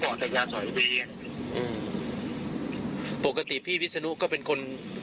เราก็เป็นใจพูดอะไรก็เป็นใจ